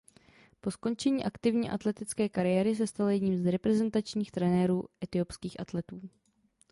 Po skončení aktivní atletické kariéry se stal jedním z reprezentačních trenérů etiopských atletů.